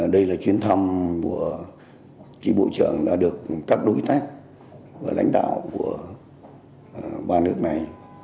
đây là chuyến thăm của tri bộ trưởng đã được các đối tác và lãnh đạo của ba nước này